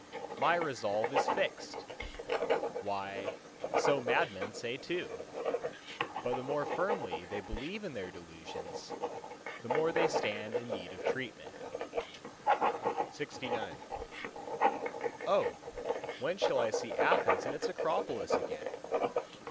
—"My resolve is fixed!"—Why so madman say too; but the more firmly they believe in their delusions, the more they stand in need of treatment. LXX —"O! when shall I see Athens and its Acropolis again?"